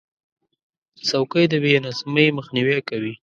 چوکۍ د بې نظمۍ مخنیوی کوي.